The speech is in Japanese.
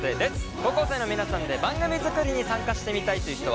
高校生の皆さんで番組作りに参加してみたいという人はいませんか？